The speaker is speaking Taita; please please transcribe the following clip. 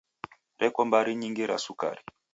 Reko mbari nyingi ra sukari.